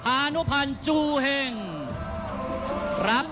ท่านแรกครับจันทรุ่ม